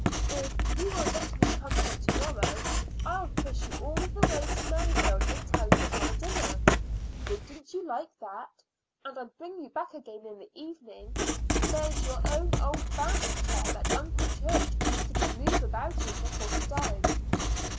"If you will let me come here to morrow, I'll push you all the way to Merrifield in time for our dinner. Wouldn't you like that? And I'd bring you back again in the evening. There's your own old bath chair that Uncle Church used to be moved about in before he died."